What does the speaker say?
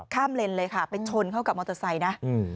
เลนเลยค่ะไปชนเข้ากับมอเตอร์ไซค์นะ